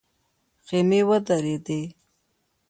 خيمې ودرېدې.